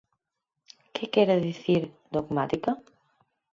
Que quere dicir dogmática?